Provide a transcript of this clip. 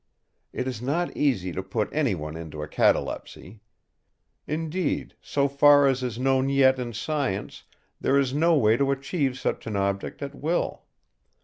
It is not easy to put anyone into a catalepsy. Indeed, so far as is known yet in science, there is no way to achieve such an object at will.